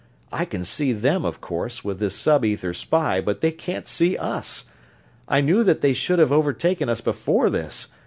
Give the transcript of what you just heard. I can see them, of course, with this sub ether spy, but they can't see us! I knew that they should have overtaken us before this.